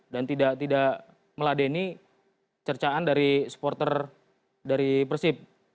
dan tidak meladeni cercaan dari supporter dari persib